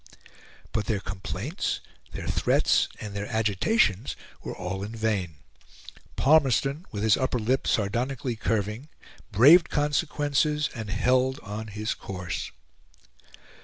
But their complaints, their threats, and their agitations were all in vain. Palmerston, with his upper lip sardonically curving, braved consequences, and held on his course.